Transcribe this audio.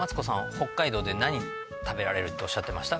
北海道で何食べられるっておっしゃってました？